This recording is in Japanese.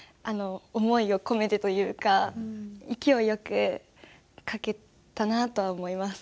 思いを込めてというか勢いよく書けたなとは思います。